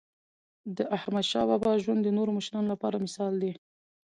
داحمدشاه بابا ژوند د نورو مشرانو لپاره مثال دی.